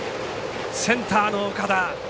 センターの岡田。